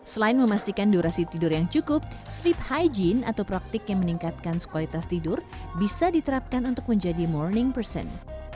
selain memastikan durasi tidur yang cukup sleep hygiene atau praktik yang meningkatkan kualitas tidur bisa diterapkan untuk menjadi morning person